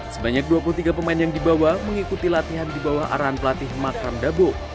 sebanyak dua puluh tiga pemain yang dibawa mengikuti latihan di bawah arahan pelatih makam dabo